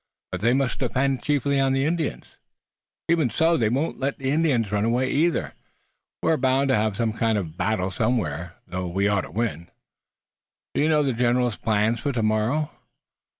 "But they must depend chiefly on the Indians!" "Even so. They won't let the Indians run away either. We're bound to have some kind of a battle somewhere, though we ought to win." "Do you know the general's plans for tomorrow?"